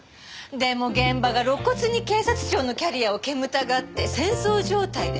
でも現場が露骨に警察庁のキャリアを煙たがって戦争状態で。